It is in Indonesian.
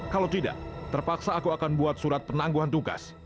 kalau tidak terpaksa aku akan buat surat penangguhan tugas